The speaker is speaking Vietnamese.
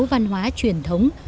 văn hóa truyền thống